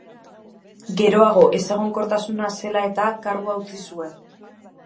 Geroago, ezegonkortasuna zela-eta, kargua utzi zuen.